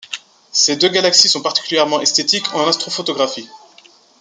Ces deux galaxies sont particulièrement esthétiques en astrophotographie.